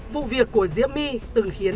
vụ việc của diễm my từng khiến